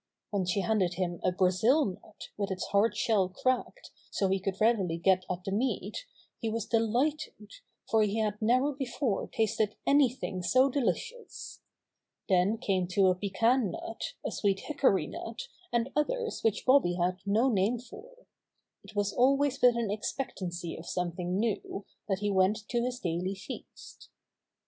When she handed him a Brazil nut, with its hard shell cracked so he could readily get at the meat, he was delighted, for he had never before tasted anything so delicious. Then came to a pecan nut, a sweet hickory nut and others which Bobby had no name for. It was always with an expectancy of something new that he went to his daily feast.